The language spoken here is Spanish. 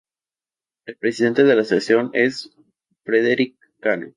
El presidente de la asociación es Frederic Cano.